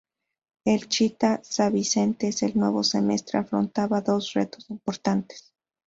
El "Chita" Sanvicente, en el nuevo semestre, afrontaba dos retos importantes.